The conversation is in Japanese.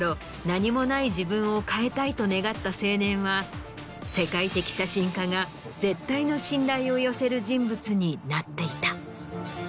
「何もない自分を変えたい」と願った青年は世界的写真家が絶対の信頼を寄せる人物になっていた。